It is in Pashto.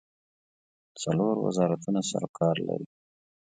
څلور وزارتونه سروکار لري.